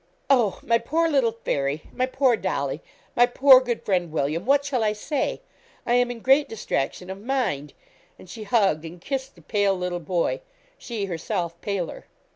Oh! my poor little Fairy my poor Dolly my poor good friend, William! What shall I say? I am in great distraction of mind.' And she hugged and kissed the pale little boy, she herself paler.